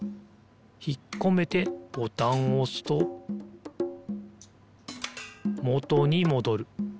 ひっこめてボタンをおすともとにもどる。